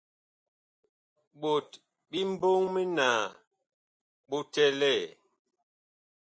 Ɓot bi mbɔŋ minaa bu bi tɛlɛɛ.